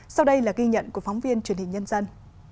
sau đây là ghi nhận của phóng viên truyền hình nhân dân